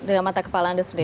dengan mata kepala anda sendiri